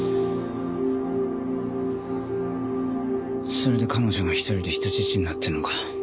それで彼女が１人で人質になってるのか。